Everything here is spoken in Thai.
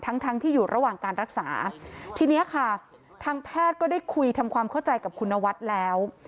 ทั้งทั้งที่อยู่ระหว่างการรักษาทีนี้ค่ะทางแพทย์ก็ได้คุยทำความเข้าใจกับคุณนวัดแล้ว